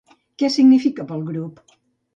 Què significa per al grup?